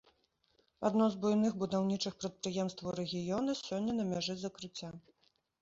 Адно з буйных будаўнічых прадпрыемстваў рэгіёна сёння на мяжы закрыцця.